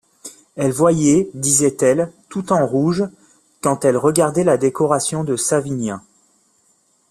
Elle voyait, disait-elle, tout en rouge, quand elle regardait la décoration de Savinien.